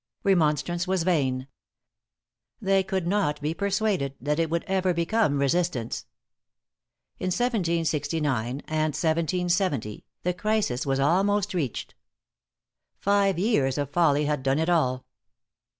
Remonstrance was vain. They could not be persuaded that it would ever become resistance. In 1769 and 1770, the crisis was almost reached. Five years of folly had done it all.